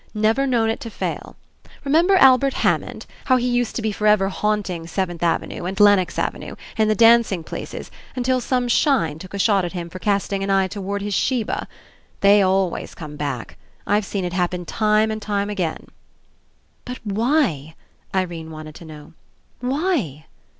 Never known it to fail. Remember Al bert Hammond, how he used to be for ever haunting Seventh Avenue, and Lenox Avenue, and the dancing places, until some 'shine' took a shot at him for casting an eye towards his 'sheba?' They always come back. I've seen it happen time and time again." ''But why?" Irene wanted to know. "Why?"